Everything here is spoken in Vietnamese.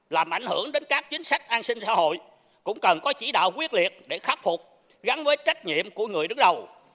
làm ảnh hưởng đến các chính sách an sinh xã hội cũng cần có chỉ đạo quyết liệt để khắc phục gắn với trách nhiệm của người đứng đầu